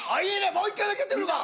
もう一回だけやってみるか！